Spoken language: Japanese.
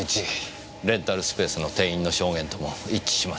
レンタルスペースの店員の証言とも一致します。